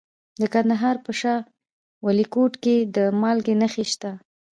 د کندهار په شاه ولیکوټ کې د مالګې نښې شته.